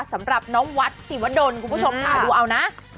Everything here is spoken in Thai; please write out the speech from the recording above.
สำหรับน้องวัดสิวดลคุณผู้ชมค่ะดูเอานะ